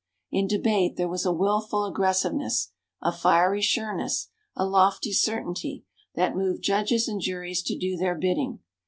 In debate, there was a wilful aggressiveness, a fiery sureness, a lofty certainty, that moved judges and juries to do their bidding.